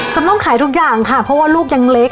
ฉันต้องขายทุกอย่างค่ะเพราะว่าลูกยังเล็ก